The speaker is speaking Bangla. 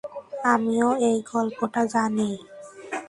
আমিও এই গল্পটা জানি!